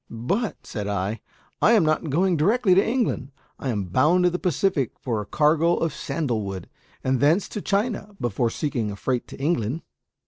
"But," said I, "I am not going directly to England. I am bound to the Pacific for a cargo of sandal wood, and thence to China, before seeking a freight to England."